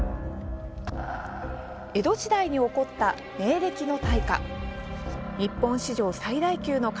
江戸時代に起こった明暦の大火。